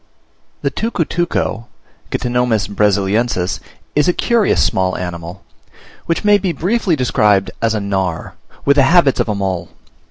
The Tucutuco (Ctenomys Brasiliensis) is a curious small animal, which may be briefly described as a Gnawer, with the habits of a mole.